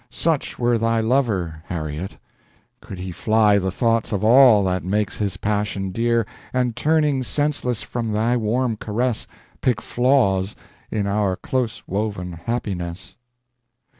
Such were thy lover, Harriet, could he fly The thoughts of all that makes his passion dear, And turning senseless from thy warm caress Pick flaws in our close woven happiness."